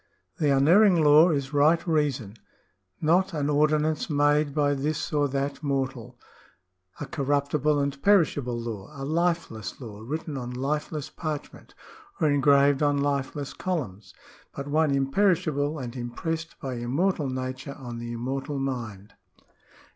—" The unerring law is right reason ; not an ordinance made by this or that mortal, a corruptible and perishable law, a lifeless law written on lifeless parchment, or engraved on lifeless columns ; but one imperishable, and impressed by immortal Nature on the immortal mind."